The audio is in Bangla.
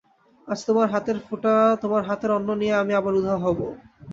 আজ তোমার হাতের ফোঁটা তোমার হাতের অন্ন নিয়ে আবার আমি উধাও হব।